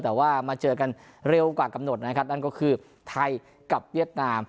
แต่ว่ามาเจอกันเร็วกว่ากำหนดนะครับนั่นก็คือไทยกับเวียดนาม